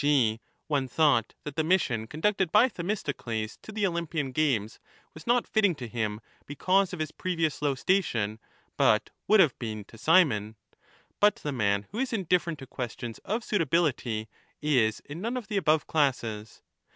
g. one thought that the mission conducted by Themistocles to the Olympian games was not fitting to him because of his previous low station, but would have been to Cimon. But the man who is indifferent to questions of suitability is in none of the above classes.